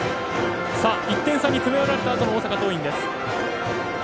１点差に詰め寄られたあとの大阪桐蔭。